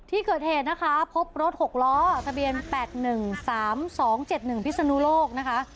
ที่เกิดเหตุนะคะพบรถ๖ล้อทะเบียน๘๑๓๒๗๑พิศนุโลกนะคะ